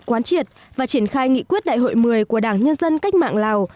quán triệt và triển khai nghị quyết đại hội một mươi của đảng nhân dân cách mạng lào